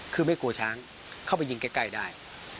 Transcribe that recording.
คือไม่กลัวช้างเข้าไปยิงใกล้ได้